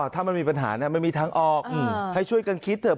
ถ้ามันมีปัญหามันมีทางออกให้ช่วยกันคิดเถอะ